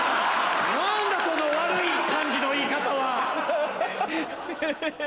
何だその悪い感じの言い方は！ハハハ。